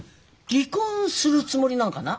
離婚するつもりなんかな？